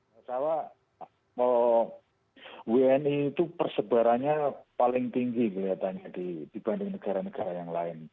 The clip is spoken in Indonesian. masalah wni itu persebarannya paling tinggi kelihatannya dibanding negara negara yang lain